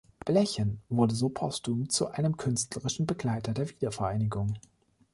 Blechen wurde so postum zu einem künstlerischen Begleiter der Wiedervereinigung.